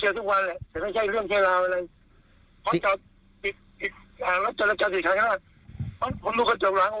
เขาอยู่ทางฝ่างพวงชีวิต๓๐เมตรถึงว่าอยู่โปรดจกหลัง